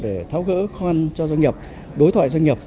để tháo gỡ khoan cho doanh nghiệp đối thoại doanh nghiệp